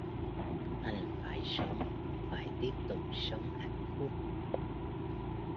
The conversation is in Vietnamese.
Anh phải sống phải tiếp tục sống hạnh phúc